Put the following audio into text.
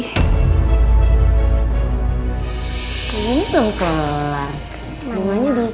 ini belum kelar